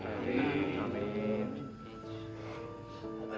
amin ya allah